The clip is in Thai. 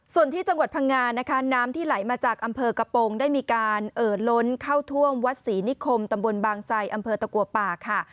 ส่วนที่จังหวัดพังงานะคะน้ำที่ไหลมาจากอำเภอกระโปรงได้มีการเอ่อล้นเข้าท่วมวัดศรีนิคมตำบลบางไซอำเภอตะกัวป่าค่ะ